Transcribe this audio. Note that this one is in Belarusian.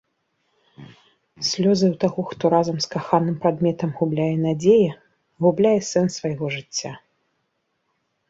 Слёзы ў таго, хто разам з каханым прадметам губляе надзеі, губляе сэнс свайго жыцця.